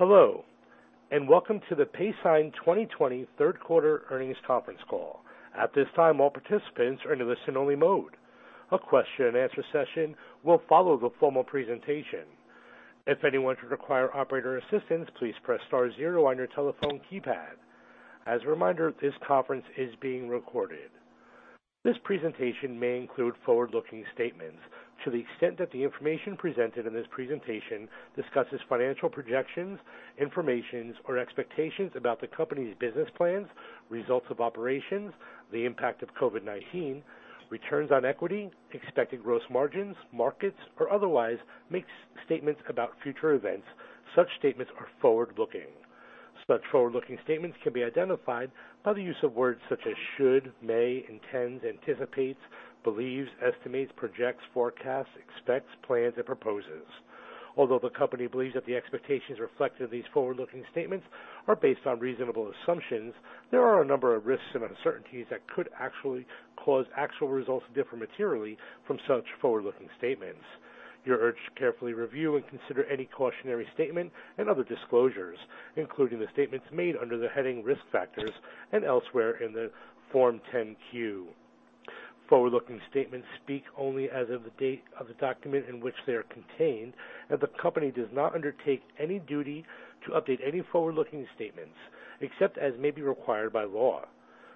Hello, welcome to the Paysign 2020 third quarter earnings conference call. At this time, all participants are in a listen-only mode. A question-and-answer session will follow the formal presentation. If anyone should require operator assistance, please press star zero on your telephone keypad. As a reminder, this conference is being recorded. This presentation may include forward-looking statements. To the extent that the information presented in this presentation discusses financial projections, information, or expectations about the company's business plans, results of operations, the impact of COVID-19, returns on equity, expected gross margins, markets, or otherwise makes statements about future events, such statements are forward-looking. Such forward-looking statements can be identified by the use of words such as should, may, intends, anticipates, believes, estimates, projects, forecasts, expects, plans, and proposes. Although the company believes that the expectations reflected in these forward-looking statements are based on reasonable assumptions, there are a number of risks and uncertainties that could actually cause actual results to differ materially from such forward-looking statements. You're urged to carefully review and consider any cautionary statement and other disclosures, including the statements made under the heading Risk Factors and elsewhere in the Form 10-Q. Forward-looking statements speak only as of the date of the document in which they are contained, and the company does not undertake any duty to update any forward-looking statements, except as may be required by law.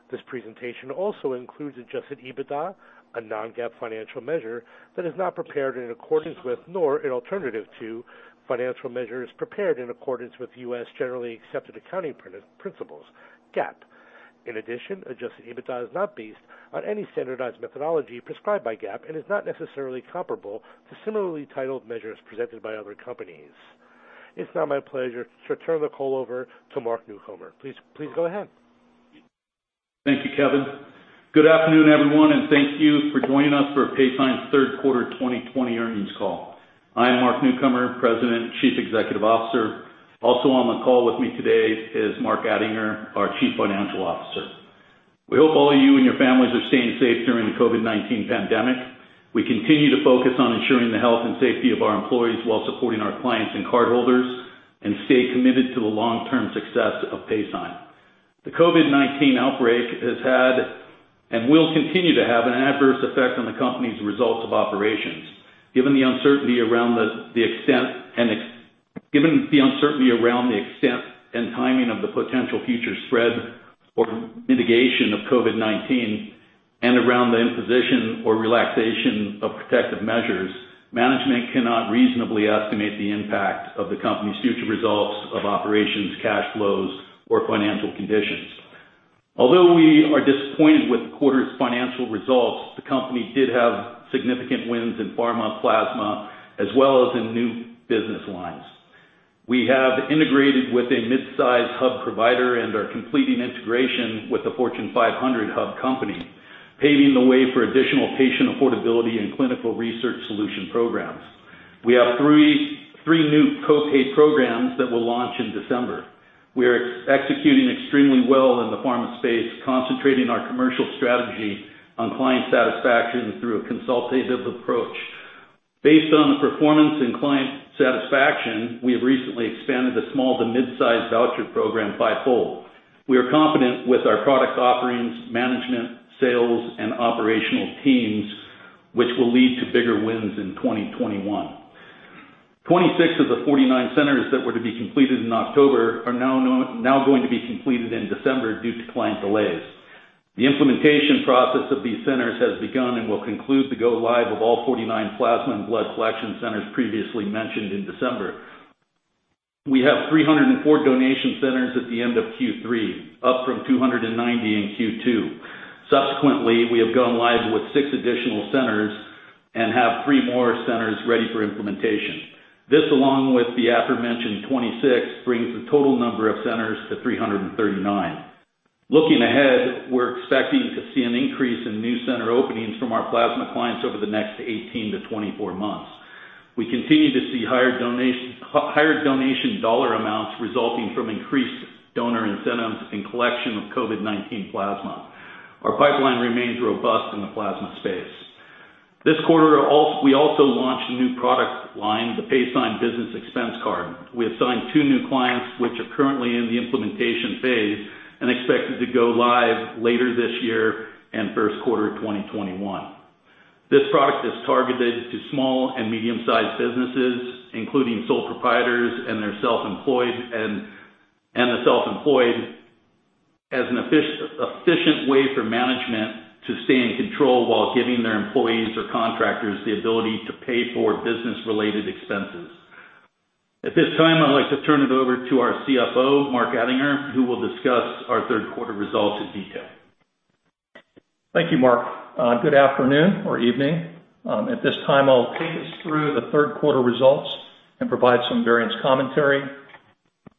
This presentation also includes adjusted EBITDA, a non-GAAP financial measure that is not prepared in accordance with, nor an alternative to, financial measures prepared in accordance with U.S. generally accepted accounting principles, GAAP. In addition, adjusted EBITDA is not based on any standardized methodology prescribed by GAAP and is not necessarily comparable to similarly titled measures presented by other companies. It's now my pleasure to turn the call over to Mark Newcomer. Please go ahead. Thank you, Kevin. Good afternoon, everyone, and thank you for joining us for Paysign's third quarter 2020 earnings call. I'm Mark Newcomer, President, Chief Executive Officer. Also on the call with me today is Mark Attinger, our Chief Financial Officer. We hope all you and your families are staying safe during the COVID-19 pandemic. We continue to focus on ensuring the health and safety of our employees while supporting our clients and cardholders and stay committed to the long-term success of Paysign. The COVID-19 outbreak has had, and will continue to have, an adverse effect on the company's results of operations. Given the uncertainty around the extent and timing of the potential future spread or mitigation of COVID-19 and around the imposition or relaxation of protective measures, management cannot reasonably estimate the impact of the company's future results of operations, cash flows, or financial conditions. Although we are disappointed with the quarter's financial results, the company did have significant wins in pharma, plasma, as well as in new business lines. We have integrated with a midsize hub provider and are completing integration with a Fortune 500 hub company, paving the way for additional patient affordability and clinical research solution programs. We have three new co-pay programs that will launch in December. We are executing extremely well in the pharma space, concentrating our commercial strategy on client satisfaction through a consultative approach. Based on the performance and client satisfaction, we have recently expanded the small to midsize voucher program bifold. We are confident with our product offerings, management, sales, and operational teams, which will lead to bigger wins in 2021. 26 of the 49 centers that were to be completed in October are now going to be completed in December due to client delays. The implementation process of these centers has begun and will conclude the go-live of all 49 plasma and blood collection centers previously mentioned in December. We have 304 donation centers at the end of Q3, up from 290 in Q2. Subsequently, we have gone live with six additional centers and have three more centers ready for implementation. This, along with the aforementioned 26, brings the total number of centers to 339. Looking ahead, we're expecting to see an increase in new center openings from our plasma clients over the next 18-24 months. We continue to see higher donation dollar amounts resulting from increased donor incentives and collection of COVID-19 plasma. Our pipeline remains robust in the plasma space. This quarter, we also launched a new product line, the Paysign business expense card. We have signed two new clients, which are currently in the implementation phase and expected to go live later this year and first quarter 2021. This product is targeted to small and medium-sized businesses, including sole proprietors and the self-employed, as an efficient way for management to stay in control while giving their employees or contractors the ability to pay for business-related expenses. At this time, I'd like to turn it over to our CFO, Mark Attinger, who will discuss our third quarter results in detail. Thank you, Mark. Good afternoon or evening. At this time, I'll take us through the third quarter results and provide some variance commentary.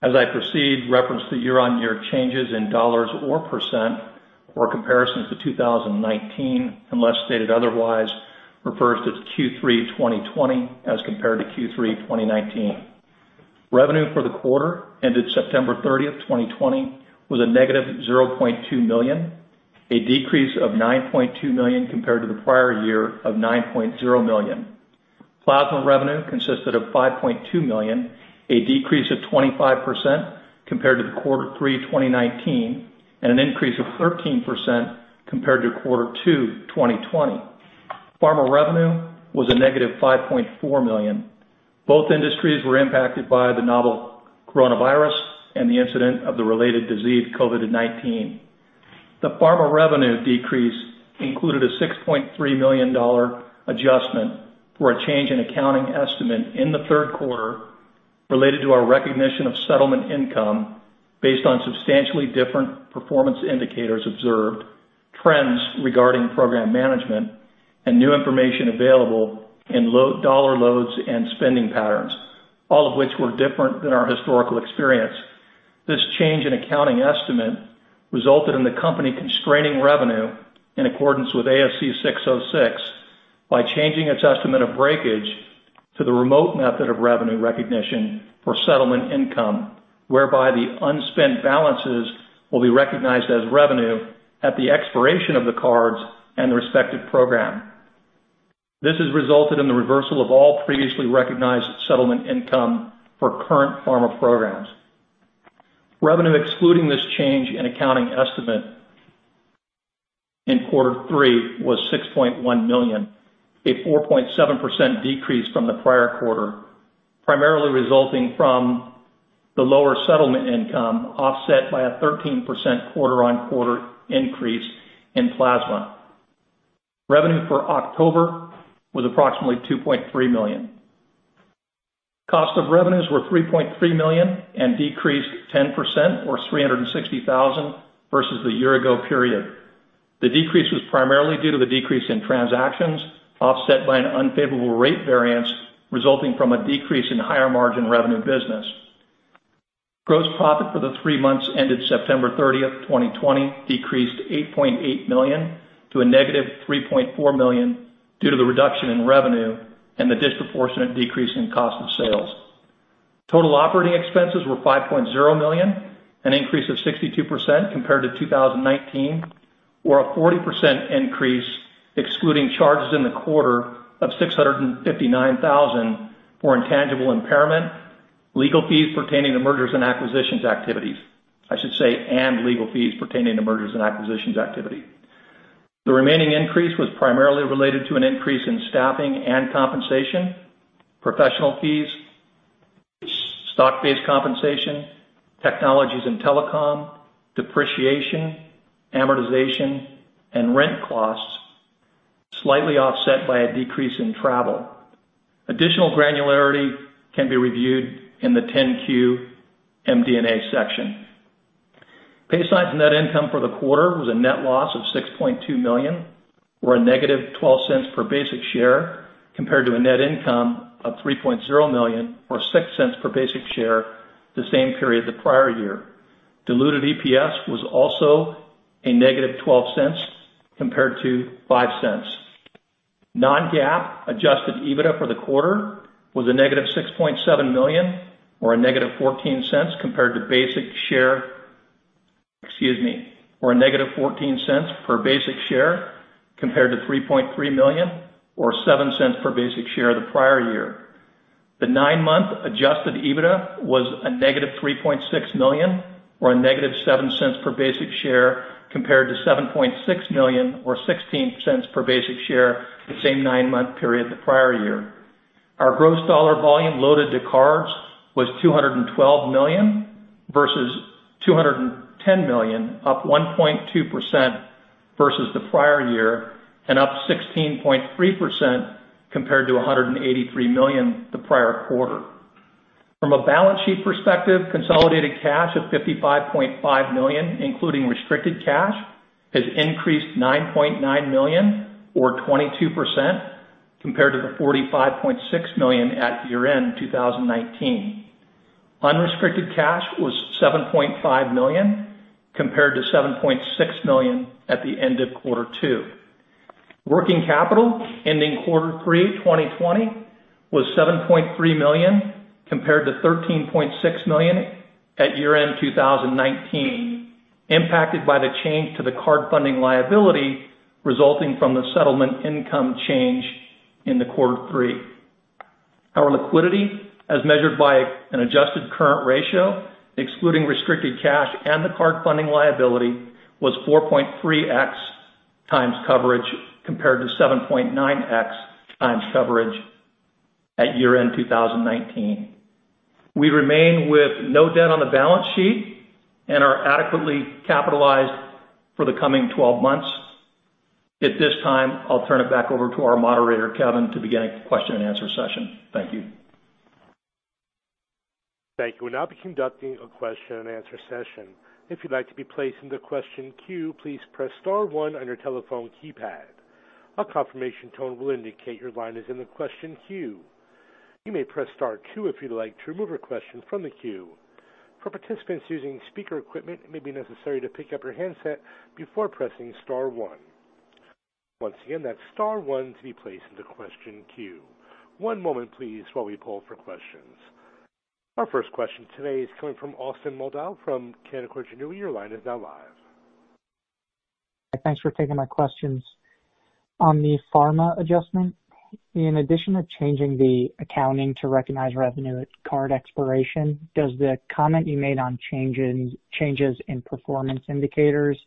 As I proceed, reference to year-on-year changes in dollars or percent or comparisons to 2019, unless stated otherwise, refers to Q3 2020 as compared to Q3 2019. Revenue for the quarter ended September 30th, 2020 was a -$0.2 million A decrease of $9.2 million compared to the prior year of $9.0 million. Plasma revenue consisted of $5.2 million, a decrease of 25% compared to Q3 2019, and an increase of 13% compared to Q2 2020. Pharma revenue was a -$5.4 million. Both industries were impacted by the novel coronavirus and the incident of the related disease, COVID-19. The pharma revenue decrease included a $6.3 million adjustment for a change in accounting estimate in the third quarter related to our recognition of settlement income based on substantially different performance indicators observed, trends regarding program management, and new information available in dollar loads and spending patterns, all of which were different than our historical experience. This change in accounting estimate resulted in the company constraining revenue in accordance with ASC 606 by changing its estimate of breakage to the remote method of revenue recognition for settlement income, whereby the unspent balances will be recognized as revenue at the expiration of the cards and the respective program. This has resulted in the reversal of all previously recognized settlement income for current pharma programs. Revenue excluding this change in accounting estimate in quarter three was $6.1 million, a 4.7% decrease from the prior quarter, primarily resulting from the lower settlement income, offset by a 13% quarter-on-quarter increase in plasma. Revenue for October was approximately $2.3 million. Cost of revenues were $3.3 million and decreased 10%, or $360,000 versus the year ago period. The decrease was primarily due to the decrease in transactions offset by an unfavorable rate variance resulting from a decrease in higher margin revenue business. Gross profit for the three months ended September 30th, 2020, decreased $8.8 million to a -$3.4 million due to the reduction in revenue and the disproportionate decrease in cost of sales. Total operating expenses were $5.0 million, an increase of 62% compared to 2019, or a 40% increase excluding charges in the quarter of $659,000 for intangible impairment, legal fees pertaining to mergers and acquisitions activity. The remaining increase was primarily related to an increase in staffing and compensation, professional fees, stock-based compensation, technologies and telecom, depreciation, amortization, and rent costs, slightly offset by a decrease in travel. Additional granularity can be reviewed in the 10-Q MD&A section. Paysign's net income for the quarter was a net loss of $6.2 million, or a -$0.12 per basic share, compared to a net income of $3.0 million or $0.06 per basic share the same period the prior year. Diluted EPS was also a -$0.12 compared to $0.05. Non-GAAP adjusted EBITDA for the quarter was a -$6.7 million, or a -$0.14, excuse me, per basic share compared to $3.3 million or $0.07 per basic share the prior year. The nine-month adjusted EBITDA was a -$3.6 million or a -$0.07 per basic share compared to $7.6 million or $0.16 per basic share the same nine-month period the prior year. Our gross dollar volume loaded to cards was $212 million versus $210 million, up 1.2% versus the prior year and up 16.3% compared to $183 million the prior quarter. From a balance sheet perspective, consolidated cash of $55.5 million, including restricted cash, has increased $9.9 million or 22% compared to the $45.6 million at year-end 2019. Unrestricted cash was $7.5 million compared to $7.6 million at the end of quarter two. Working capital ending quarter three 2020 was $7.3 million compared to $13.6 million at year-end 2019, impacted by the change to the card funding liability resulting from the settlement income change in the quarter three. Our liquidity, as measured by an adjusted current ratio excluding restricted cash and the card funding liability, was 4.3x coverage compared to 7.9x coverage at year-end 2019. We remain with no debt on the balance sheet and are adequately capitalized for the coming 12 months. At this time, I'll turn it back over to our moderator, Kevin, to begin a question-and-answer session. Thank you. Thank you. We'll now be conducting a question-and-answer session. If you would like to be placed in the question queue, please press star one on your telephone keypad. A confirmation tone will indicate your line is in the question queue. You may press star two if you'd like to remove your question from the queue. For participants using speaker equipment, it may be necessary to pick up the handset before pressing star one. Once again, that's star one to be placed in the question queue. One moment please while we poll for questions. Our first question today is coming from Austin Moldow from Canaccord Genuity. Your line is now live. Thanks for taking my questions. On the pharma adjustment, in addition to changing the accounting to recognize revenue at card expiration, does the comment you made on changes in performance indicators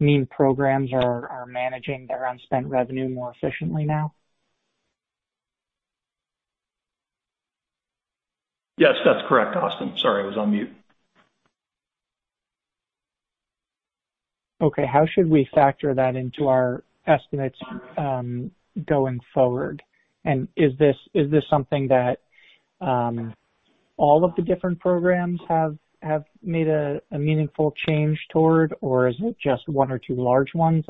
mean programs are managing their unspent revenue more efficiently now? Yes, that's correct, Austin. Sorry, I was on mute. Okay. How should we factor that into our estimates going forward? Is this something that all of the different programs have made a meaningful change toward, or is it just one or two large ones?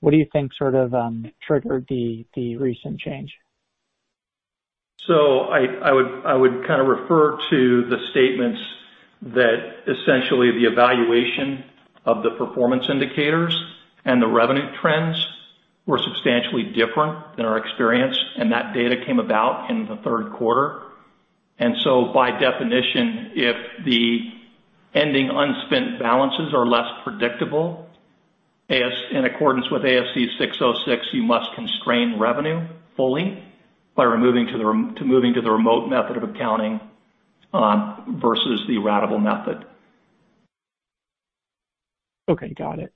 What do you think triggered the recent change? I would kind of refer to the statements that essentially the evaluation of the performance indicators and the revenue trends were substantially different than our experience, and that data came about in the third quarter. By definition, if the ending unspent balances are less predictable, in accordance with ASC 606, you must constrain revenue fully by moving to the remote method of accounting versus the ratable method. Okay. Got it.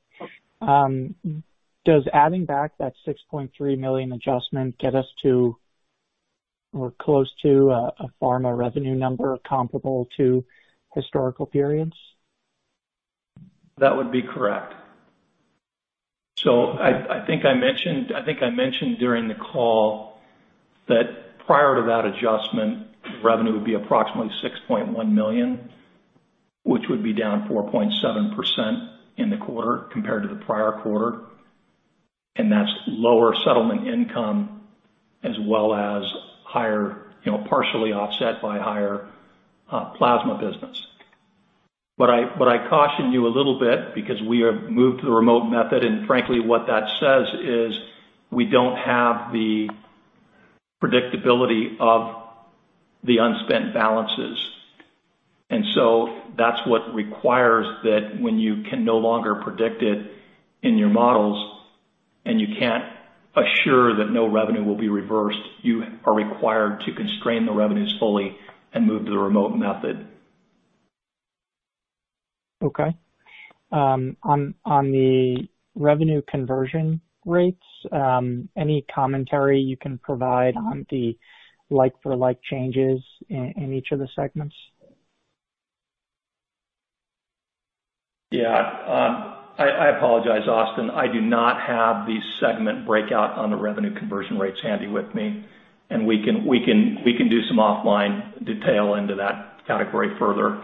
Does adding back that $6.3 million adjustment get us to, or close to, a pharma revenue number comparable to historical periods? That would be correct. I think I mentioned during the call that prior to that adjustment, revenue would be approximately $6.1 million, which would be down 4.7% in the quarter compared to the prior quarter. That's lower settlement income as well as partially offset by higher plasma business. I caution you a little bit because we have moved to the remote method, and frankly, what that says is we don't have the predictability of the unspent balances. That's what requires that when you can no longer predict it in your models, and you can't assure that no revenue will be reversed, you are required to constrain the revenues fully and move to the remote method. Okay. On the revenue conversion rates, any commentary you can provide on the like-for-like changes in each of the segments? Yeah. I apologize, Austin. I do not have the segment breakout on the revenue conversion rates handy with me, and we can do some offline detail into that category further.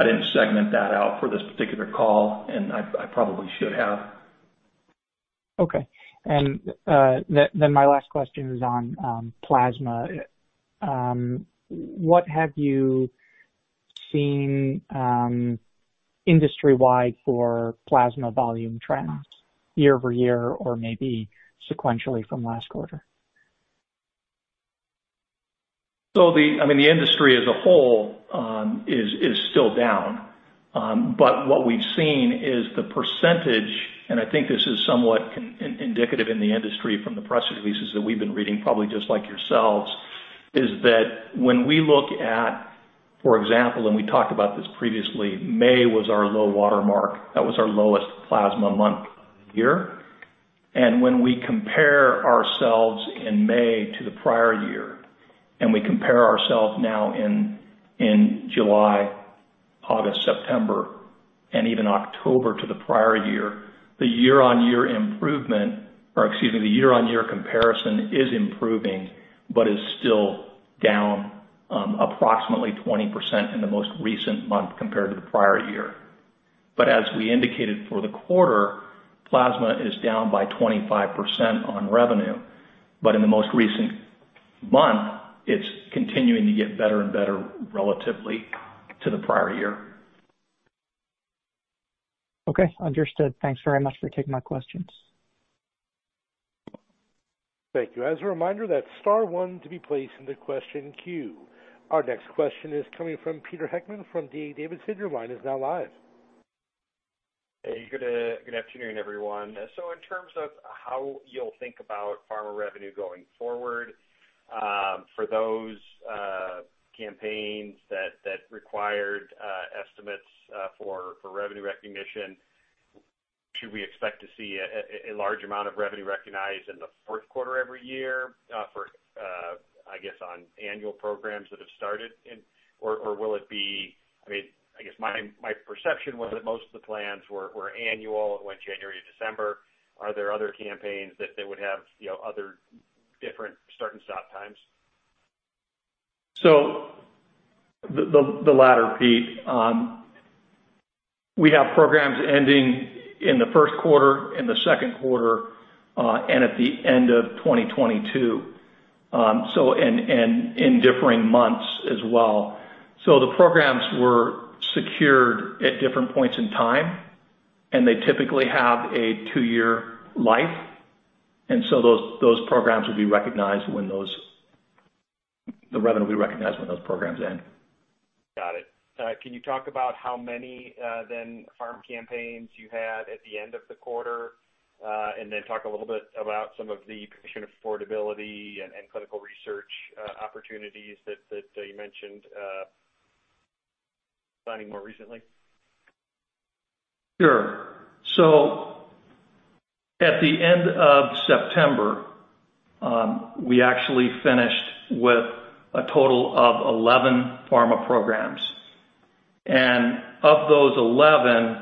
I didn't segment that out for this particular call, and I probably should have. Okay. My last question is on plasma. What have you seen industry-wide for plasma volume trends year-over-year or maybe sequentially from last quarter? The industry as a whole is still down. What we've seen is the percentage, and I think this is somewhat indicative in the industry from the press releases that we've been reading, probably just like yourselves, is that when we look at, for example, and we talked about this previously, May was our low water mark. That was our lowest plasma month year. When we compare ourselves in May to the prior year, and we compare ourselves now in July, August, September, and even October to the prior year, the year-over-year comparison is improving, but is still down approximately 20% in the most recent month compared to the prior year. As we indicated for the quarter, plasma is down by 25% on revenue. In the most recent month, it's continuing to get better and better relatively to the prior year. Okay. Understood. Thanks very much for taking my questions. Thank you. As a reminder, that's star one to be placed in the question queue. Our next question is coming from Peter Heckmann from D.A. Davidson. Your line is now live. Hey, good afternoon, everyone. In terms of how you'll think about pharma revenue going forward for those campaigns that required estimates for revenue recognition, should we expect to see a large amount of revenue recognized in the fourth quarter every year for annual programs? My perception was that most of the plans were annual. It went January to December. Are there other campaigns that they would have other different start and stop times? The latter, Peter. We have programs ending in the first quarter, in the second quarter, and at the end of 2022. And in different months as well. The programs were secured at different points in time, and they typically have a two-year life. Those programs will be recognized. The revenue will be recognized when those programs end. Got it. Can you talk about how many pharma campaigns you had at the end of the quarter? Talk a little bit about some of the patient affordability and clinical research opportunities that you mentioned signing more recently. Sure. At the end of September, we actually finished with a total of 11 pharma programs. Of those 11,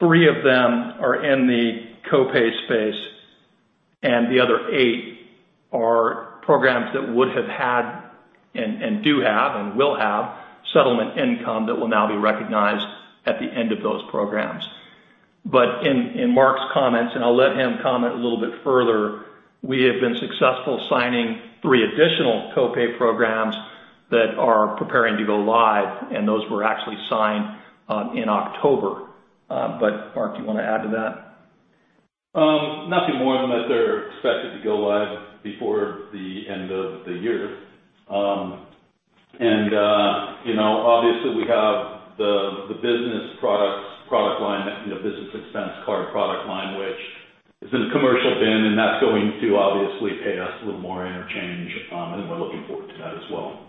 three of them are in the co-pay space and the other eight are programs that would have had and do have and will have settlement income that will now be recognized at the end of those programs. In Mark's comments, and I'll let him comment a little bit further, we have been successful signing three additional co-pay programs that are preparing to go live, and those were actually signed in October. Mark, do you want to add to that? Nothing more than that they're expected to go live before the end of the year. Obviously we have the business product line, the business expense card product line which is in the commercial BIN, and that's going to obviously pay us a little more interchange. We're looking forward to that as well.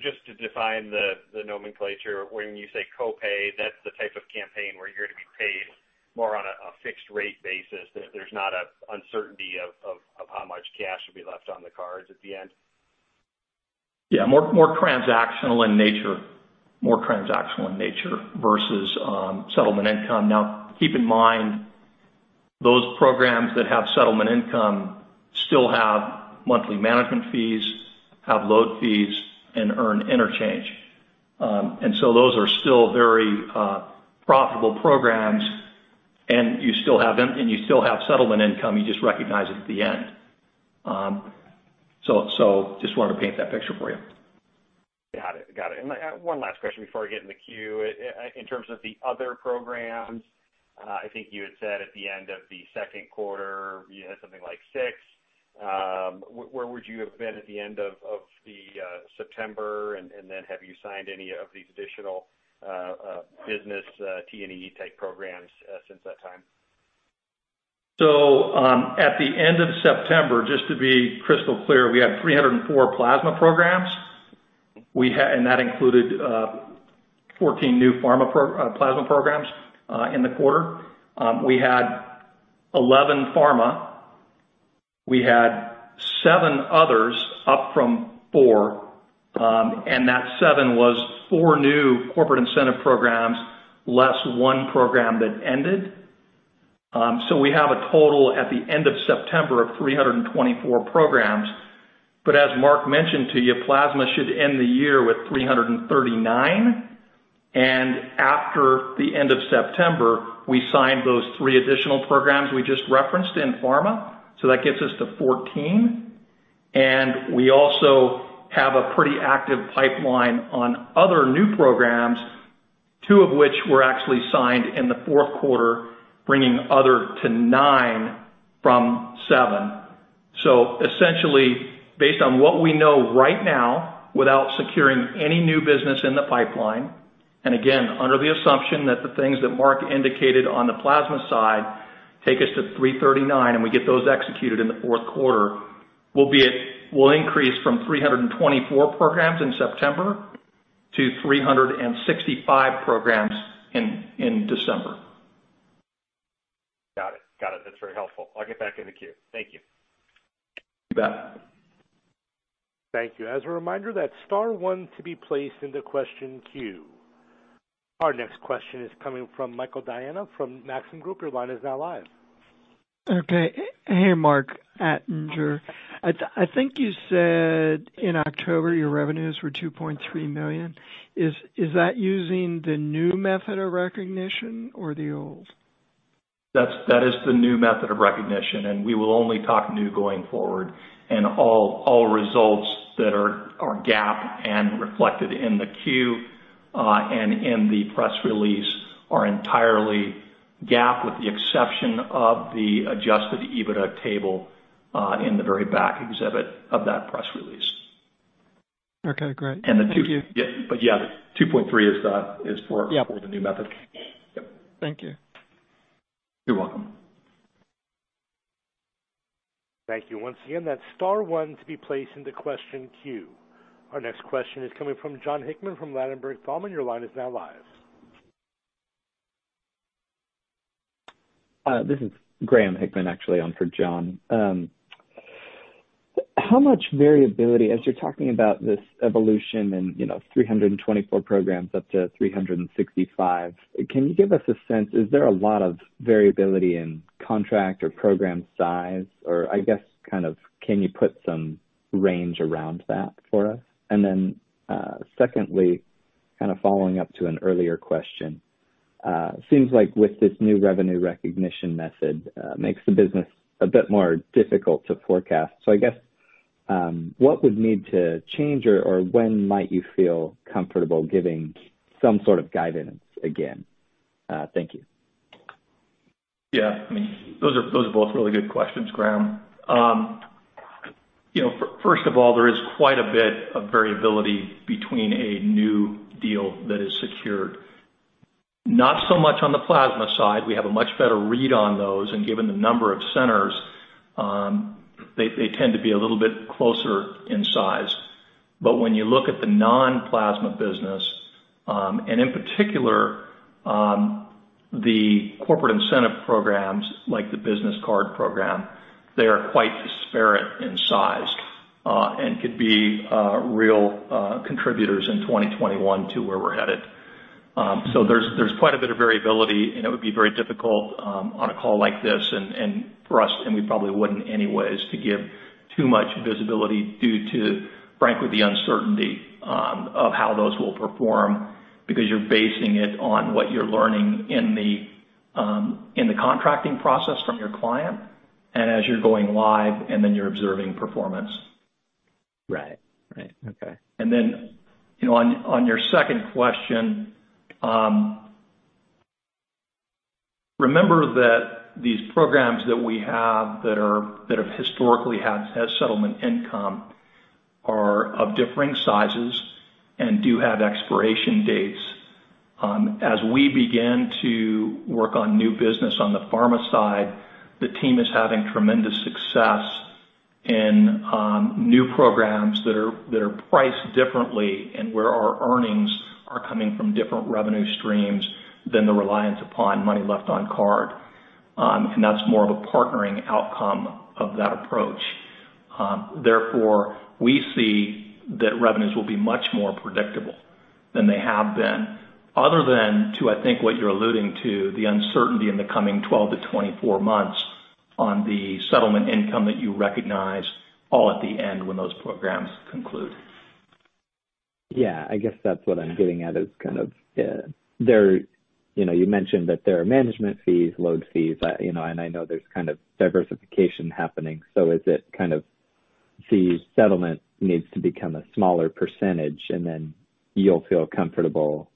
Just to define the nomenclature. When you say co-pay, that's the type of campaign where you're going to be paid more on a fixed rate basis. There's not an uncertainty of how much cash will be left on the cards at the end. Yeah, more transactional in nature versus settlement income. Now, keep in mind, those programs that have settlement income still have monthly management fees, have load fees, and earn interchange. Those are still very profitable programs and you still have settlement income. You just recognize it at the end. Just wanted to paint that picture for you. Got it. One last question before I get in the queue. In terms of the other programs, I think you had said at the end of the second quarter, you had something like six. Where would you have been at the end of September, have you signed any of these additional business T&E type programs since that time? At the end of September, just to be crystal clear, we had 304 plasma programs. That included 14 new pharma plasma programs in the quarter. We had 11 pharma. We had seven others, up from four. That seven was four new corporate incentive programs, less one program that ended. We have a total at the end of September of 324 programs. As Mark mentioned to you, plasma should end the year with 339. After the end of September, we signed those three additional programs we just referenced in pharma. That gets us to 14. We also have a pretty active pipeline on other new programs, two of which were actually signed in the fourth quarter, bringing other to nine from seven. Essentially, based on what we know right now, without securing any new business in the pipeline, and again, under the assumption that the things that Mark indicated on the plasma side take us to 339, and we get those executed in the fourth quarter, we'll increase from 324 programs in September to 365 programs in December. Got it. That's very helpful. I'll get back in the queue. Thank you. You bet. Thank you. As a reminder, that's star one to be placed in the question queue. Our next question is coming from Michael Diana from Maxim Group. Your line is now live. Okay. Hey, Mark, Attinger. I think you said in October your revenues were $2.3 million. Is that using the new method of recognition or the old? That is the new method of recognition, and we will only talk new going forward. All results that are GAAP and reflected in the Q and in the press release are entirely GAAP with the exception of the adjusted EBITDA table in the very back exhibit of that press release. Okay, great. Thank you. yeah, $2.3 million. Yeah the new method. Yep. Thank you. You're welcome. Thank you. Once again, that's star one to be placed in the question queue. Our next question is coming from Jon Hickman from Ladenburg Thalmann. Your line is now live. This is Graham Hickman actually on for Jon. How much variability, as you're talking about this evolution in 324 programs up to 365, can you give us a sense, is there a lot of variability in contract or program size? I guess, can you put some range around that for us? Secondly, kind of following up to an earlier question. It seems like with this new revenue recognition method, makes the business a bit more difficult to forecast. I guess, what would need to change, or when might you feel comfortable giving some sort of guidance again? Thank you. Those are both really good questions, Graham. First of all, there is quite a bit of variability between a new deal that is secured. Not so much on the plasma side. We have a much better read on those, and given the number of centers, they tend to be a little bit closer in size. When you look at the non-plasma business, and in particular, the corporate incentive programs like the business card program, they are quite disparate in size, and could be real contributors in 2021 to where we're headed. There's quite a bit of variability, and it would be very difficult on a call like this, and for us, and we probably wouldn't anyways, to give too much visibility due to, frankly, the uncertainty of how those will perform. You're basing it on what you're learning in the contracting process from your client, and as you're going live, and then you're observing performance. Right. Okay. On your second question, remember that these programs that we have that have historically had settlement income are of differing sizes and do have expiration dates. As we begin to work on new business on the pharma side, the team is having tremendous success in new programs that are priced differently and where our earnings are coming from different revenue streams than the reliance upon money left on card. That's more of a partnering outcome of that approach. Therefore, we see that revenues will be much more predictable than they have been, other than to, I think, what you're alluding to, the uncertainty in the coming 12-24 months on the settlement income that you recognize all at the end when those programs conclude. Yeah. I guess that's what I'm getting at. You mentioned that there are management fees, load fees, and I know there's diversification happening. Is it the settlement needs to become a smaller percentage, and then you'll feel comfortable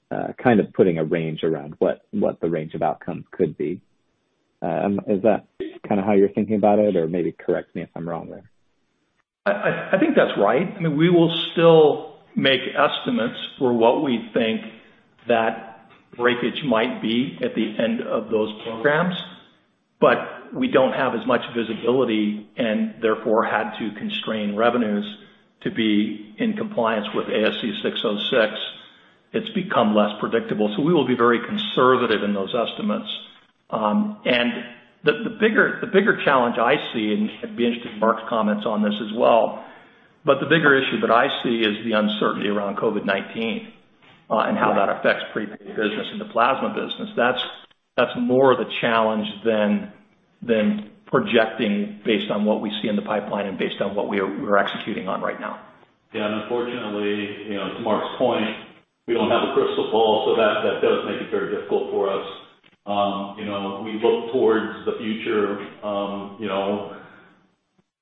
putting a range around what the range of outcomes could be? Is that how you're thinking about it? Maybe correct me if I'm wrong there. I think that's right. We will still make estimates for what we think that breakage might be at the end of those programs, but we don't have as much visibility and therefore had to constrain revenues to be in compliance with ASC 606. It's become less predictable, so we will be very conservative in those estimates. The bigger challenge I see, and I'd be interested in Mark's comments on this as well, but the bigger issue that I see is the uncertainty around COVID-19 and how that affects prepaid business and the plasma business. That's more of the challenge than projecting based on what we see in the pipeline and based on what we are executing on right now. Yeah. Unfortunately, to Mark's point, we don't have a crystal ball. That does make it very difficult for us. We look towards the future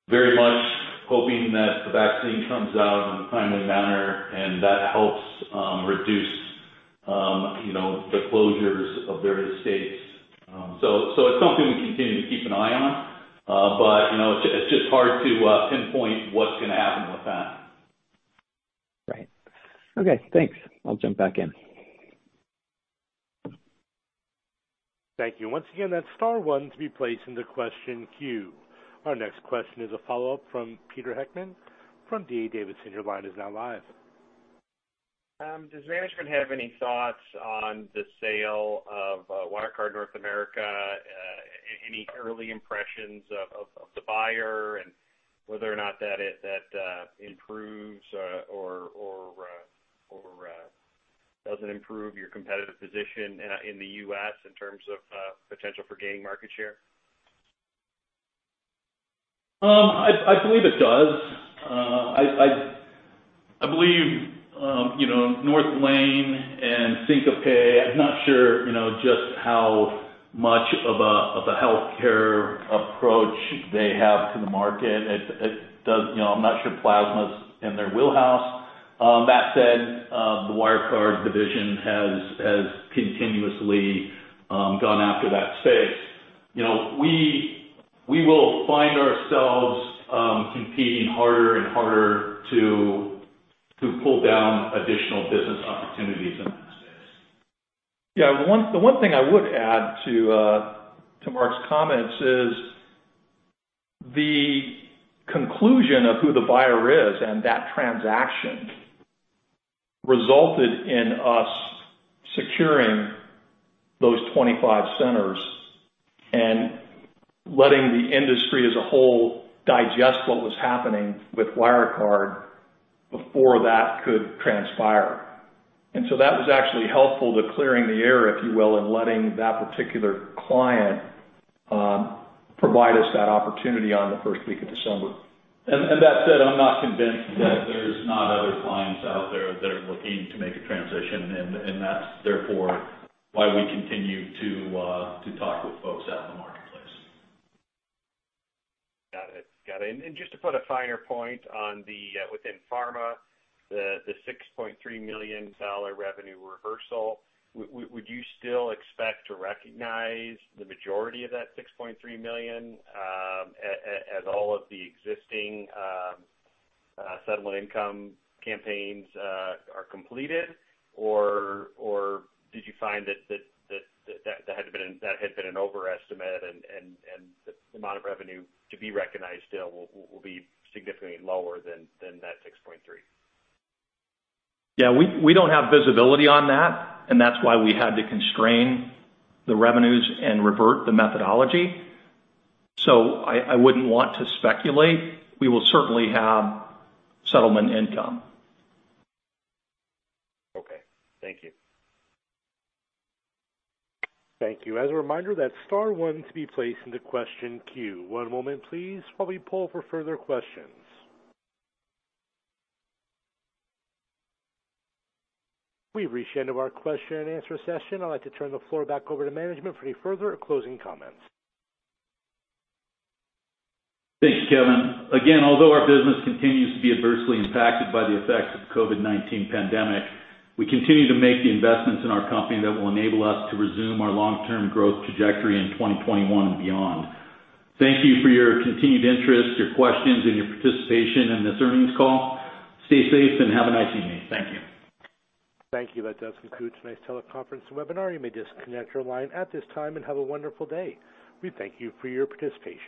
very much hoping that the vaccine comes out in a timely manner and that helps reduce the closures of various states. It's something we continue to keep an eye on. It's just hard to pinpoint what's going to happen with that. Right. Okay, thanks. I'll jump back in. Thank you. Once again, that's star one to be placed into the question queue. Our next question is a follow-up from Peter Heckmann from D.A. Davidson. Your line is now live. Does management have any thoughts on the sale of Wirecard North America? Any early impressions of the buyer and whether or not that improves or doesn't improve your competitive position in the U.S. in terms of potential for gaining market share? I believe it does. I believe North Lane and Syncapay, I'm not sure just how much of a healthcare approach they have to the market. I'm not sure plasma's in their wheelhouse. That said, the Wirecard division has continuously gone after that space. We will find ourselves competing harder and harder to pull down additional business opportunities in that space. Yeah. The one thing I would add to Mark's comments is the conclusion of who the buyer is and that transaction resulted in us securing those 25 centers and letting the industry as a whole digest what was happening with Wirecard before that could transpire. That was actually helpful to clearing the air, if you will, in letting that particular client Provide us that opportunity on the first week of December. That said, I'm not convinced that there's not other clients out there that are looking to make a transition, and that's therefore why we continue to talk with folks out in the marketplace. Got it. Just to put a finer point within pharma, the $6.3 million revenue reversal, would you still expect to recognize the majority of that $6.3 million as all of the existing settlement income campaigns are completed? Did you find that had been an overestimate and the amount of revenue to be recognized still will be significantly lower than that $6.3 million? We don't have visibility on that, and that's why we had to constrain the revenues and revert the methodology. I wouldn't want to speculate. We will certainly have settlement income. Okay. Thank you. Thank you. As a reminder, that's star one to be placed in the question queue. One moment, please, while we poll for further questions. We've reached the end of our question-and-answer session. I'd like to turn the floor back over to management for any further or closing comments. Thank you, Kevin. Again, although our business continues to be adversely impacted by the effects of the COVID-19 pandemic, we continue to make the investments in our company that will enable us to resume our long-term growth trajectory in 2021 and beyond. Thank you for your continued interest, your questions, and your participation in this earnings call. Stay safe and have a nice evening. Thank you. Thank you. That does conclude tonight's teleconference and webinar. You may disconnect your line at this time, and have a wonderful day. We thank you for your participation.